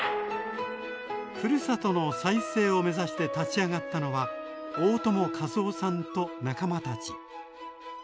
ふるさとの再生を目指して立ち上がったのは大友一雄さんと仲間たち。